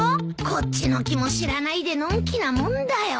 こっちの気も知らないでのんきなもんだよ。